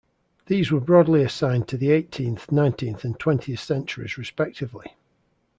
These were broadly assigned to the eighteenth, nineteenth and twentieth centuries respectively.